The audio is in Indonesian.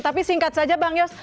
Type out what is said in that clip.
tapi singkat saja bang yos